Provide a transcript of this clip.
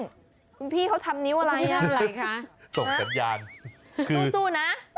คุณพี่เขาทำนิ้วอะไรอะไรคะส่งสัญญาณสู้นะ